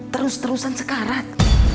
terus terusan sekarat